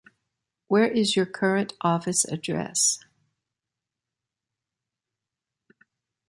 Where is your current office address?